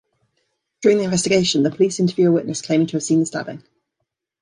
During the investigation, the police interview a witness claiming to have seen the stabbing.